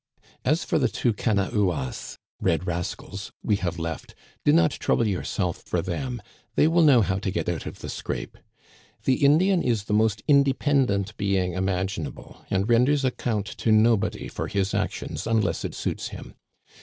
" As for the two canaouas (red rascals) we have left, do not trouble yourself for them, they will know how to 13 Digitized by VjOOQIC 194 THE CANADIANS OF OLD, get out of the scrape. The Indian is the most independ ent being imaginable, and renders account to nobody for his actions unless it suits him.